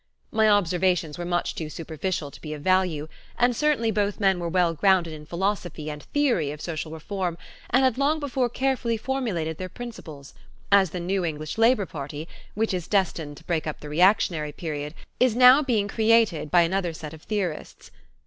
My observations were much too superficial to be of value and certainly both men were well grounded in philosophy and theory of social reform and had long before carefully formulated their principles, as the new English Labor Party, which is destined to break up the reactionary period, is now being created by another set of theorists.